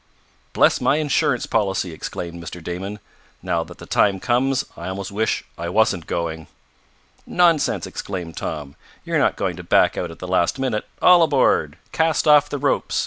"Bless my insurance policy!" exclaimed Mr. Damon. "Now that the time comes I almost wish I wasn't going." "Nonsense!" exclaimed Tom. "You're not going to back out at the last minute. All aboard! Cast off the ropes!"